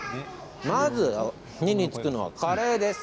まず、目に付くのはカレーです。